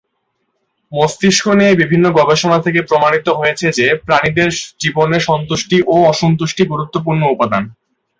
মস্তিষ্ক নিয়ে বিভিন্ন গবেষণা থেকে প্রমাণিত হয়েছে যে প্রাণীদের জীবনে সন্তুষ্টি ও অসন্তুষ্টি গুরুত্বপূর্ণ উপাদান।